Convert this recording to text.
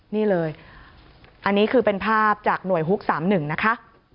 นี่เลยอันนี้คือเป็นภาพจากหน่วยฮุก๓๑นะคะ